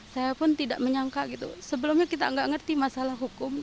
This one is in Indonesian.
saya pun tidak menyangka gitu sebelumnya kita nggak ngerti masalah hukum